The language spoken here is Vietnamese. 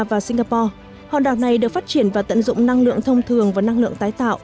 và singapore hòn đảo này được phát triển và tận dụng năng lượng thông thường và năng lượng tái tạo